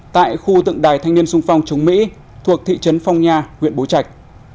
tại khu tượng đài thanh niên sung phong chống mỹ thuộc thị trấn phong nha huyện bố trạch